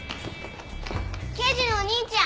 刑事のお兄ちゃん。